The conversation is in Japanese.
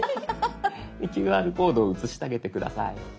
ＱＲコードを写してあげて下さい。